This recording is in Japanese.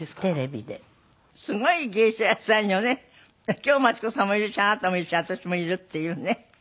京マチ子さんもいるしあなたもいるし私もいるっていうね。